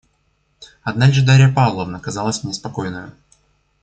Одна лишь Дарья Павловна казалась мне спокойною.